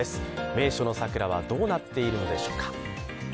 名所の桜はどうなっているのでしょうか。